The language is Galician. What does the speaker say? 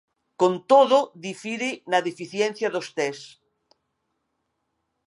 Con todo, difire na deficiencia dos tests.